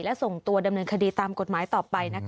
และส่งตัวดำเนินคดีตามกฎหมายต่อไป